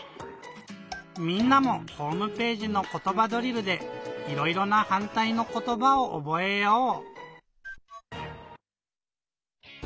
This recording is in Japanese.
みんなもホームページの「ことばドリル」でいろいろなはんたいのことばをおぼえよう！